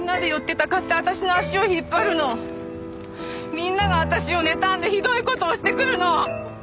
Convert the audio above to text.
みんなが私を妬んでひどい事をしてくるの！